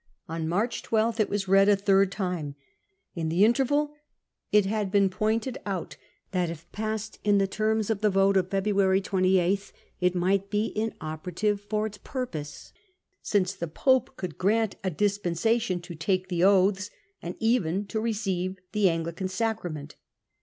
On March 12 it was read a third time. In the interval it had been pointed out that if passed in the terms of the vote of 224 The Parliamentary Conflict in England. 1673. February 28 it might be inoperative for its purpose, since the Pope could grant dispensation to take the oaths and Passing of even to receive the Anglican sacrament.